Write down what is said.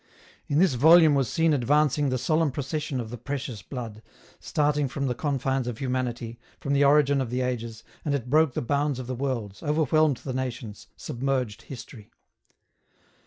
In this volume was seen advancing the solemn procession of the Precious Blood, starting from the confines of humanity, from the origin of the ages, and it broke the bounds of the worlds, overwhelmed the nations, submerged history.